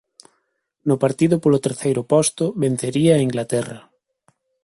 No partido polo terceiro posto vencería a Inglaterra.